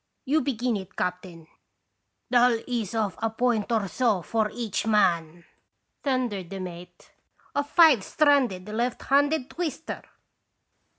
You begin it, captain." "That'll ease off a point or so for each man," thundered the mate, "a five stranded, left handed twister